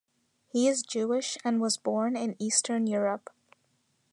He is Jewish and was born in Eastern Europe.